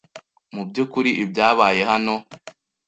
Mubyukuri ibyabaye hano?